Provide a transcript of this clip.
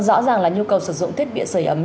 rõ ràng là nhu cầu sử dụng thiết bị sửa ấm